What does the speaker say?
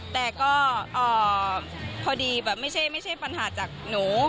แต่ก็พอดีแบบไม่ใช่ปัญหาจากหนู